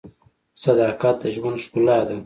• صداقت د ژوند ښکلا ده.